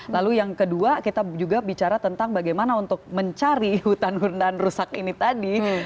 lalu yang kedua kita juga bicara tentang bagaimana untuk mencari hutan hutan rusak ini tadi